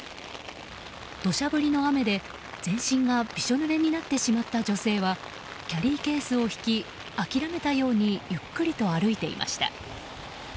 土砂降りの雨で全身がびしょぬれになってしまった女性はキャリーケースを引き諦めたようにゆっくりと歩いていました。